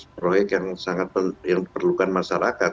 proyek yang sangat yang diperlukan masyarakat